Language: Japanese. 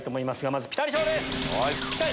まずピタリ賞です。